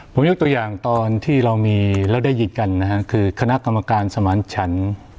ผมยกตัวอย่างตอนที่เรามีแล้วได้ยินกันนะฮะคือคณะกรรมการสมานฉัน